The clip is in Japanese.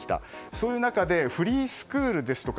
そういう中でフリースクールですとか